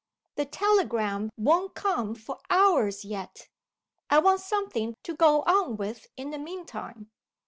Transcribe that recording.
The telegram won't come for hours yet. I want something to go on with in the mean time."